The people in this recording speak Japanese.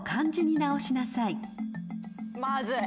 まずい。